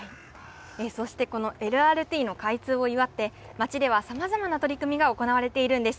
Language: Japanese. そしてこのＬＲＴの開通を祝って、街ではさまざまな取り組みが行われているんです。